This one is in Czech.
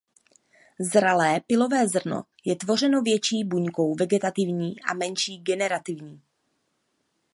Zralé pylové zrno je tvořeno větší buňkou vegetativní a menší generativní.